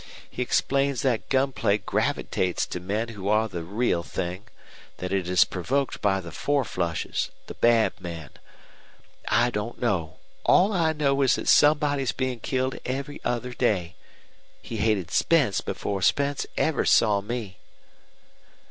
He explains that gunplay gravitates to men who are the real thing that it is provoked by the four flushes, the bad men. I don't know. All I know is that somebody is being killed every other day. He hated Spence before Spence ever saw me."